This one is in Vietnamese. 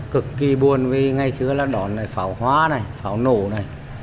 cực kỳ buồn vì ngày xưa là đón pháo hóa này pháo nổ này